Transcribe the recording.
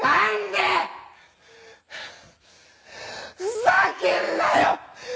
ふざけんなよ！